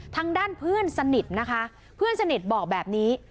ทางด้านเพื่อนสนิทนะคะเพื่อนสนิทบอกแบบนี้